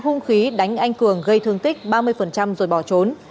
hung khí đánh anh cường gây thương tích ba mươi rồi bỏ trốn